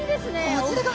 こちらが。